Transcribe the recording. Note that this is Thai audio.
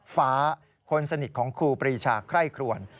ฟ้าคนสนิทของครูปรีชาไคร่ครวน